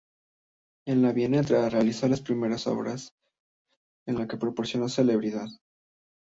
En la veintena realizó las primeras obras que le proporcionaron celebridad.